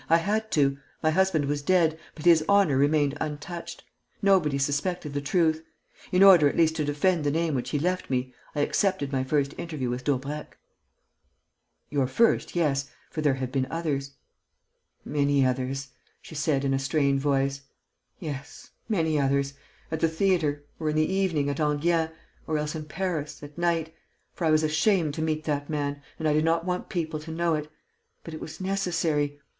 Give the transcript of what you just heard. I had to. My husband was dead, but his honour remained untouched. Nobody suspected the truth. In order at least to defend the name which he left me, I accepted my first interview with Daubrecq." "Your first, yes, for there have been others." "Many others," she said, in a strained voice, "yes, many others ... at the theatre ... or in the evening, at Enghien ... or else in Paris, at night ... for I was ashamed to meet that man and I did not want people to know it.... But it was necessary....